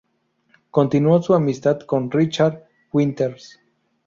Continuó su amistad con Richard Winters.